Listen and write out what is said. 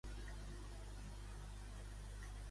Segons la publicació, per què hauria tingut alguna fallida?